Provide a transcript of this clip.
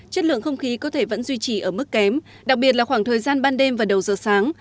chất lượng không khí có thể vẫn duy trì ở mức kém đặc biệt là khoảng thời gian ban đêm và đầu giờ sáng